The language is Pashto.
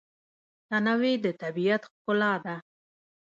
تنوع د طبیعت ښکلا ده.